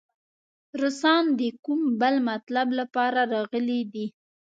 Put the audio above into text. روسان د کوم بل مطلب لپاره راغلي دي.